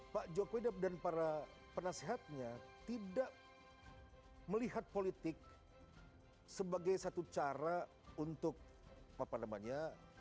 pak jokowi dan para penasehatnya tidak melihat politik sebagai satu cara untuk apa namanya